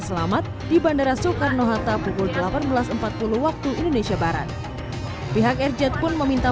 selamat di bandara soekarno hatta pukul delapan belas empat puluh waktu indonesia barat pihak rjet pun meminta